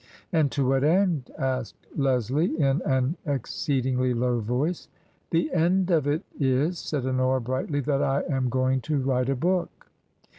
" And to what end ?" asked Leslie, in an exceedingly low voice. " The end of it is/' said Honora, brightly, " that I am going to write a book."